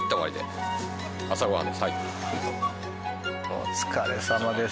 お疲れさまです。